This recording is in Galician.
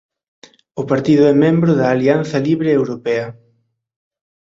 O partido é membro de Alianza Libre Europea.